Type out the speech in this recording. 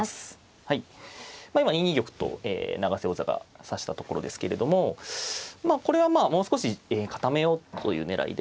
今２二玉と永瀬王座が指したところですけどもまあこれはもう少し固めようという狙いで。